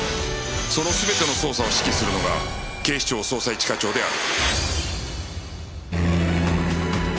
その全ての捜査を指揮するのが警視庁捜査一課長である